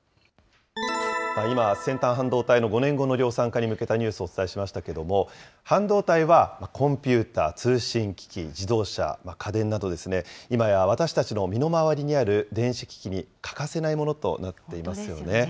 今、先端半導体の５年後の量産化に向けたニュースをお伝えしましたけども、半導体はコンピューター、通信機器、自動車、家電など、今や私たちの身の回りにある電子機器に欠かせないものとなっていますよね。